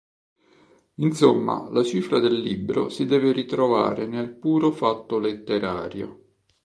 Insomma, la cifra del libro si deve ritrovare nel puro fatto letterario.